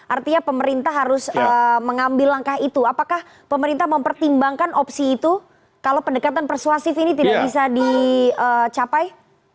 artinya pemerintah harus mengambil langkah itu apakah pemerintah mempertimbangkan opsi itu kalau pendekatan persuasif ini tidak bisa dicapai